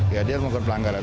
ya dia melakukan pelanggaran